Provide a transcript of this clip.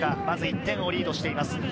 まず１点をリードしています。